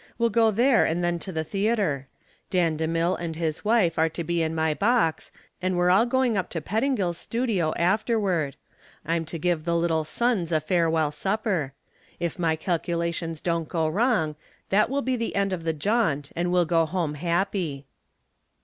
We'll go there and then to the theater. Dan DeMille and his wife are to be in my box and we're all going up to Pettingill's studio afterward. I'm to give the 'Little Sons' a farewell supper. If my calculations don't go wrong, that will be the end of the jaunt and we'll go home happy."